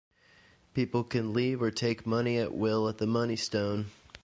People can leave or take money at will at the Money Stone.